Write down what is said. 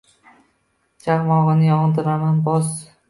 Chaqmogʼini yogʼdiraman boz!